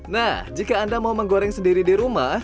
nah jika anda mau menggoreng sendiri di rumah